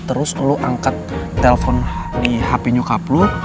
terus lu angkat telfon di hp nyokap lo